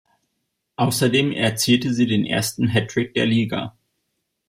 Außerdem erzielte sie den ersten Hattrick der Liga.